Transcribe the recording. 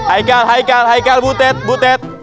haikal haikal haikal butet butet